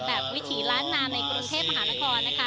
แบบวิถีล้านนามในกรุณเทพภาหนคร